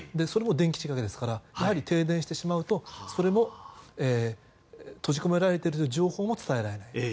それも電気仕掛けですからやはり停電してしまうと、それも閉じ込められていると情報も伝えられない。